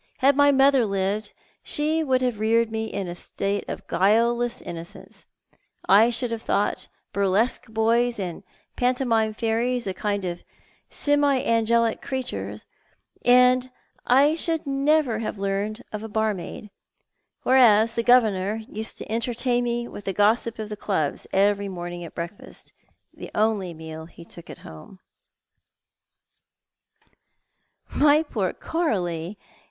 Had my mother lived she would have reared me in a state of guileless innocence. I should have thou.'ht burlesque boys and pantomime fairies a kind of semi angelic creatures, and I should never have heard of a barmaid; whereas the governor used to entertain me with the gossip of the clubs every morning at breakfast, the only meal he took at home." 8 Thou art the Man. "Jly poor Coralie!